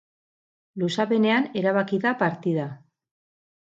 Luzapenean erabaki da partida.